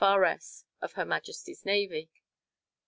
R.S. of Her Majesty's Navy."